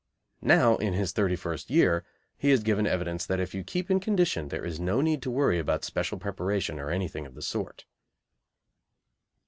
Now, in his thirty first year, he has given evidence that if you keep in condition there is no need to worry about special preparation or anything of the sort.